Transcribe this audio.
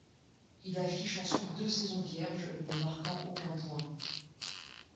Il affiche ensuite deux saisons vierge, ne marquant aucun point.